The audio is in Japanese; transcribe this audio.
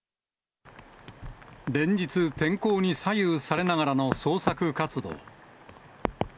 連日、天候に左右されながらの捜索活動。